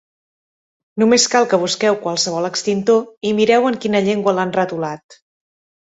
Només cal que busqueu qualsevol extintor i mireu en quina llengua l'han retolat.